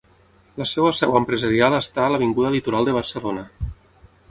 La seva seu empresarial està a l'avinguda litoral de Barcelona.